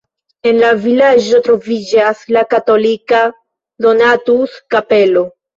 En la vilaĝo troviĝas la katolika Donatus-kapelo.